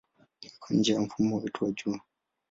Iko nje ya mfumo wetu wa Jua.